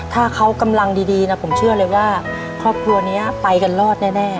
ถ้าเขากำลังดีนะผมเชื่อเลยว่าครอบครัวนี้ไปกันรอดแน่